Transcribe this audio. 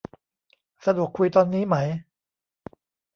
สะดวกคุยตอนนี้ไหม